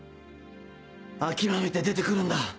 諦めて出てくるんだ。